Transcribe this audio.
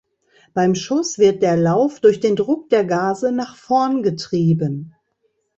Beim Schuss wird der Lauf durch den Druck der Gase nach vorn getrieben.